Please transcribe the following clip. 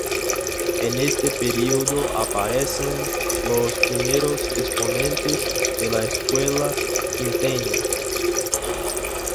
En este período aparecen los primeros exponentes de la Escuela Quiteña.